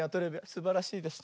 すばらしいです。